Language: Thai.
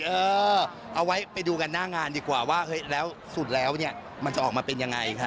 เอาไว้ไปดูกันหน้างานดีกว่าว่าสูตรแล้วมันจะออกมาเป็นอย่างไร